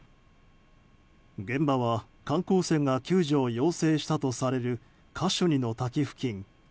現場は観光船が救助を要請したとされるカシュニの滝付近。